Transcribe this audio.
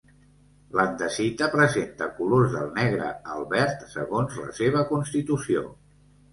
L'andesita presenta colors del negre al verd segons la seva constitució.